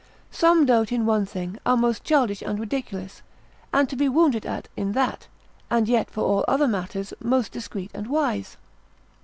Some dote in one thing, are most childish, and ridiculous, and to be wondered at in that, and yet for all other matters most discreet and wise.